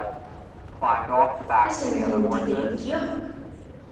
Ad sen-tent-id-heggiɣ?